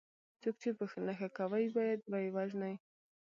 څوک چې په نښه کوي باید وه یې وژني.